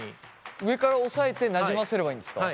上から押さえてなじませればいいんですか？